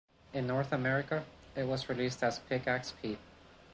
In North America, it was released as Pick Axe Pete!